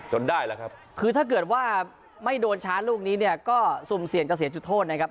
ได้แล้วครับคือถ้าเกิดว่าไม่โดนช้าลูกนี้เนี่ยก็สุ่มเสี่ยงจะเสียจุดโทษนะครับ